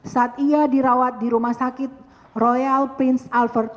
saat ia dirawat di rumah sakit royal prince alfred